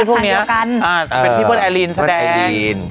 เป็นพี่เปิ้ลไอรีนแสดง